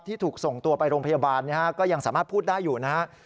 ถูกส่งตัวไปโรงพยาบาลก็ยังสามารถพูดได้อยู่นะครับ